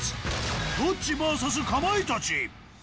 ロッチＶＳかまいたち。